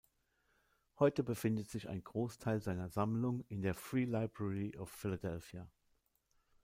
Heute befindet sich ein Großteil seiner Sammlung in der "Free Library of Philadelphia".